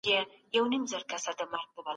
که څوک بد کار وکړي، مؤمن په ښه چلند ځواب ورکړي.